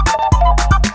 kau mau kemana